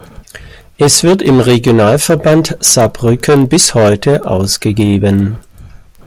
Es wird im Regionalverband Saarbrücken bis heute ausgegeben.